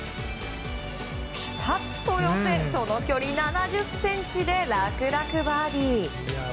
ピタッと寄せその距離７０ｃｍで楽々バーディー。